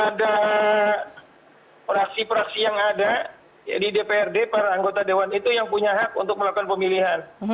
ada praksi praksi yang ada di dprd para anggota dewan itu yang punya hak untuk melakukan pemilihan